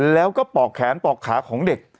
แล้วก็ปอกแขนปอกขาของเด็ก